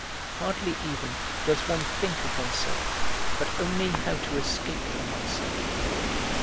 Hardly even does one think of oneself, but only how to escape from oneself.